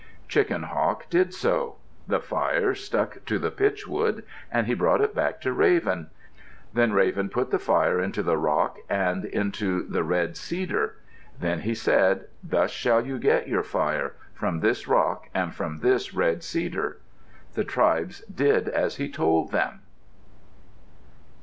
Chicken Hawk did so. The fire stuck to the pitchwood and he brought it back to Raven. Then Raven put the fire into the rock and into the red cedar. Then he said, "Thus shall you get your fire from this rock and from this red cedar." The tribes did as he told them.